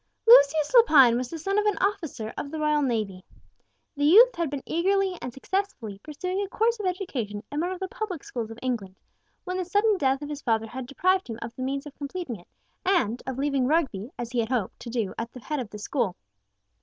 Lucius Lepine was the son of an officer of the royal navy. The youth had been eagerly and successfully pursuing a course of education in one of the public schools of England, when the sudden death of his father had deprived him of the means of completing it, and of leaving Rugby, as he had hoped to do, at the head of the school.